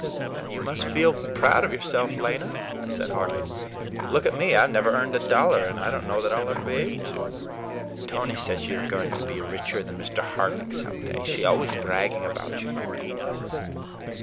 "You must feel proud of yourself, Lena," I said heartily. "Look at me; I've never earned a dollar, and I don't know that I'll ever be able to." "Tony says you're going to be richer than Mr. Harling some day. She's always bragging about you, you know."